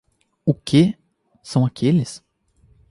O quê, são aqueles?